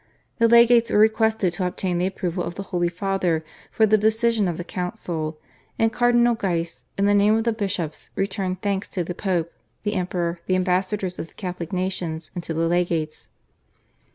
The legates were requested to obtain the approval of the Holy Father for the decisions of the council, and Cardinal Guise in the name of the bishops returned thanks to the Pope, the Emperor, the ambassadors of the Catholic nations, and to the legates.